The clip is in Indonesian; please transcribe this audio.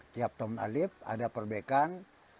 tiap tahun alib ada perbaikan